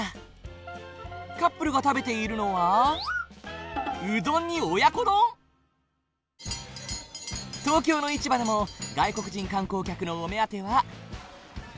カップルが食べているのは東京の市場でも外国人観光客のお目当ては。